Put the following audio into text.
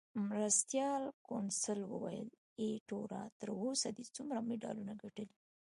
مرستیال کونسل وویل: ایټوره، تر اوسه دې څومره مډالونه ګټلي؟